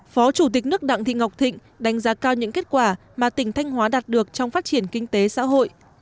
phó chủ tịch nước đặng thị ngọc thịnh đánh giá cao những kết quả mà tỉnh thanh hóa đạt được trong phát triển kinh tế xã hội